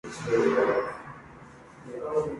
El Brindisi fue fundado el como "Brindisi Sport".